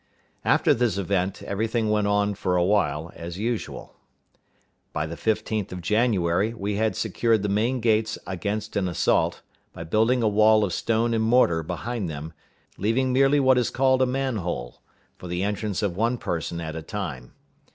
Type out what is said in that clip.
After this event every thing went on, for a while, as usual. By the 15th of January we had secured the main gates against an assault, by building a wall of stone and mortar behind them, leaving merely what is called a man hole, for the entrance of one person at a time.